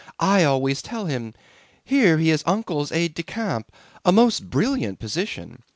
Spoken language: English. I always tell him: Here he is Uncle's aide de camp, a most brilliant position.